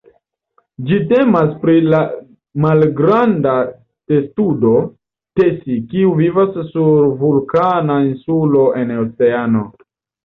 Ĝi temas pri la malgranda testudo "Tesi", kiu vivas sur vulkana insulo en oceano.